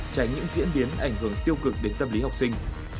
tránh những diễn biến ảnh hưởng tiêu cực đến tâm lý học sinh